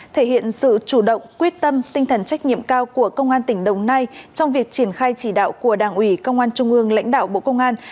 thể hiện sự chủ động quyết tâm tinh thần trách nhiệm cao của công an tỉnh đồng nai trong việc triển khai chỉ đạo của đảng ủy công an trung ương lãnh đạo bộ công an